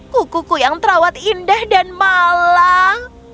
kuku yang terawat indah dan malang